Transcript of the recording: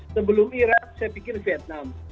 sebelum irak saya pikir vietnam